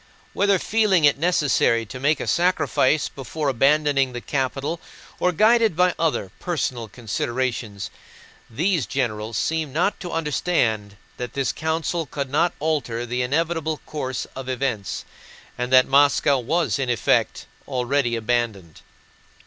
Whether feeling it necessary to make a sacrifice before abandoning the capital or guided by other, personal considerations, these generals seemed not to understand that this council could not alter the inevitable course of events and that Moscow was in effect already abandoned.